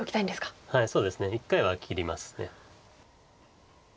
そうですね一回は切ります。